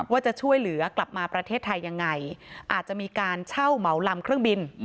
ว่าจะช่วยเหลือกลับมาประเทศไทยยังไงอาจจะมีการเช่าเหมาลำเครื่องบิน